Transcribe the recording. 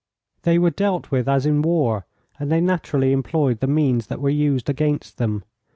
They were dealt with as in war, and they naturally employed the means that were used against them.